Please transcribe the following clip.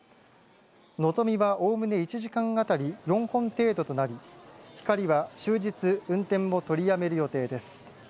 のぞみはおおむね１時間当たり４本程度となりひかりは終日、運転も取りやめる予定です。